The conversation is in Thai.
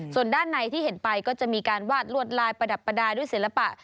ส่วนด้านในที่เห็นไปก็จะมีการวาดลวดลายประดับประดาษด้วยศิลปะ